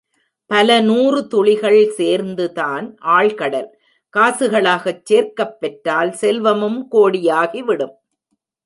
பலநூறு துளிகள் சேர்ந்துதான் ஆழ்கடல் காசுகளாகச் சேர்க்கப் பெற்றால் செல்வமும் கோடி யாகிவிடும்.